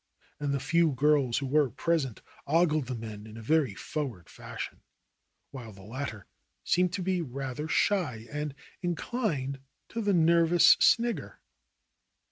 And the few girls who were present ogled the men in a very forward fashion, while the latter seemed to be rather shy and inclined to the nervous snigger.